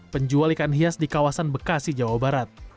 penjual ikan hias di kawasan bekasi jawa barat